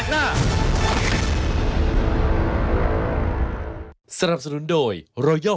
ไม่หวนเกินกับทางงานเรื่อง